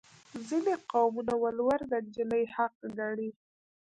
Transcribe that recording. ځینې قومونه ولور د نجلۍ حق ګڼي.